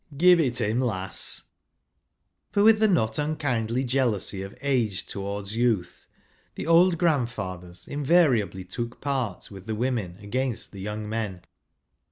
"Give it him, lass 1 " for with the not unkindly jealousy of age towards youth, the old grandfathers in¬ variably took part with the women against the young men.